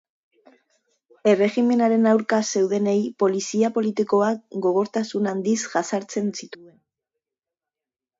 Erregimenaren aurka zeudenei polizia politikoak gogortasun handiz jazartzen zituen.